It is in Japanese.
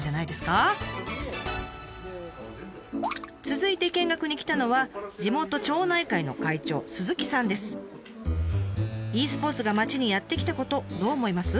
続いて見学に来たのは地元町内会の会長ｅスポーツが町にやって来たことどう思います？